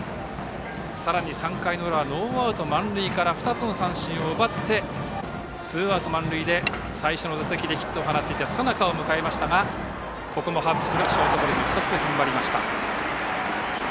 さらに３回の裏はノーアウト満塁から２つの三振を奪ってツーアウト満塁で最初の打席でヒットを放っていた佐仲を迎えましたがここもハッブスがショートゴロに打ち取って踏ん張りました。